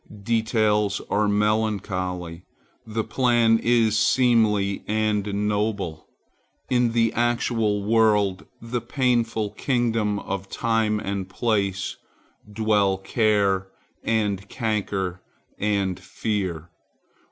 Details are melancholy; the plan is seemly and noble. In the actual world—the painful kingdom of time and place—dwell care, and canker, and fear.